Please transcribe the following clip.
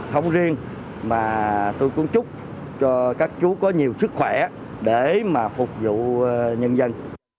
không riêng mà tôi cũng chúc cho các chú có nhiều sức khỏe để mà phục vụ nhân dân